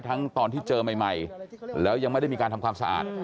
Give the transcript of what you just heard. ตอนที่เจอใหม่แล้วยังไม่ได้มีการทำความสะอาด